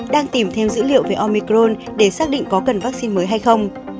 đang tìm thêm dữ liệu về omicron để xác định có cần vaccine mới hay không